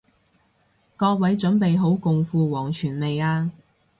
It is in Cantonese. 各位準備好共赴黃泉未啊？